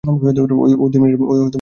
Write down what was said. ও দুই মিনিটের মধ্যে বের হয়ে যাবে।